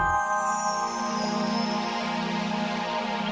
agang pesanku komdr